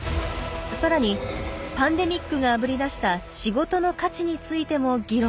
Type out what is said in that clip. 更にパンデミックがあぶり出した仕事の価値についても議論します。